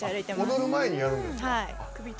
踊る前にやるんですか。